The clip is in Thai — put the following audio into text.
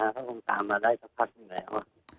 เขาคงตามมาได้สักพักหนึ่งแล้ว